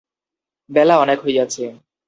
বেলা অনেক হইয়াছে।